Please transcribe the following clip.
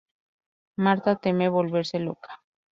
Marta teme volverse loca.